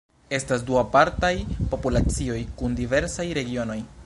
Estas du apartaj populacioj kun diversaj regionoj.